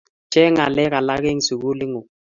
Cheng ngalek alak eng sugulingung